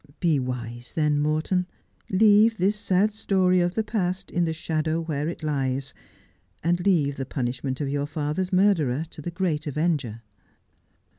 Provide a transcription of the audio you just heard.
Be wise then, Morton. Leave this sad story of the past in the shadow where it lies, and leave the punishment of your father's murderer to the Great Avenger.'